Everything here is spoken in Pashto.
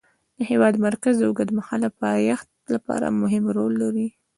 د هېواد مرکز د اوږدمهاله پایښت لپاره مهم رول لري.